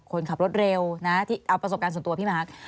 คนขับรถเร็วนะที่เอาประสบการณ์ส่วนตัวพี่มาร์ค